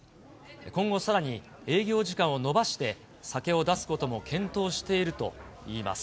今後さらに営業時間を延ばして酒を出すことも検討しているといいます。